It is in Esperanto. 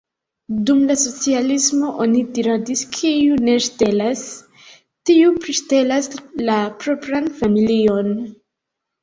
Dum la socialismo oni diradis: kiu ne ŝtelas, tiu priŝtelas la propran familion.